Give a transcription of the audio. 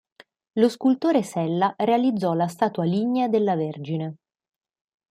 Lo scultore Sella realizzò la statua lignea della Vergine.